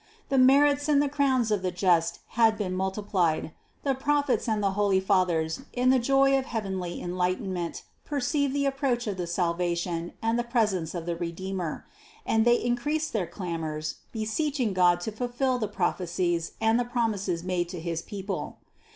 The merits and the crowns of the just had been multiplied, the Prophets and the holy Fathers in the joy of heavenly enlightenment per ceived the approach of the salvation and the presence of the Redeemer, and they increased their clamors, be seeching God to fulfill the prophecies and the promises made to his people.